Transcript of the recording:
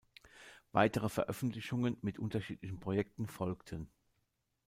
Weitere Veröffentlichungen mit unterschiedlichen Projekten folgten.